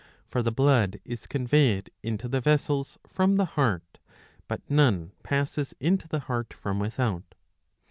For the blood is conveyed into the vessels from the heart, but none passes into the heart from without.